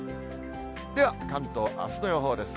では、関東、あすの予報です。